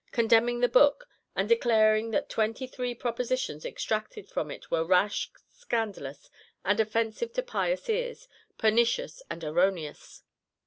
condemning the book, and declaring that twenty three propositions extracted from it were "rash, scandalous, and offensive to pious ears, pernicious and erroneous."